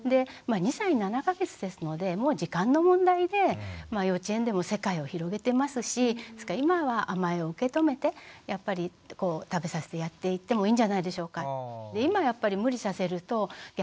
２歳７か月ですのでもう時間の問題で幼稚園でも世界を広げてますし今は甘えを受け止めてやっぱり食べさせてやっていってもいいんじゃないでしょうか。